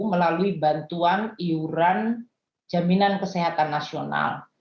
melalui bantuan iuran jaminan kesehatan nasional